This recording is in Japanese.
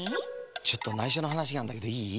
ちょっとないしょのはなしがあるんだけどいい？